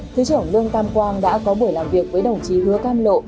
thứ trưởng lương tam quang đã có buổi làm việc với đồng chí hứa cam lộ